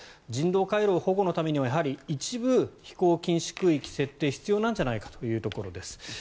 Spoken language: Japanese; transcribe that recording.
人道回廊保護のためにはやはり一部飛行禁止空域の設定が必要なんじゃないかというところです。